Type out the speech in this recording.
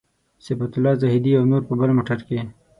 صفت الله زاهدي او نور په بل موټر کې.